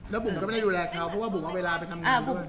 แล้วบุ๋มก็ไม่ได้ดูแลเขาเพราะว่าบุ๋มเอาเวลาไปทำงานด้วย